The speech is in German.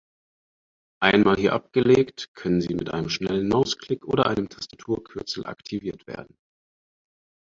Einmal hier abgelegt, können sie mit einem schnellen Mausklick oder einem Tastaturkürzel aktiviert werden.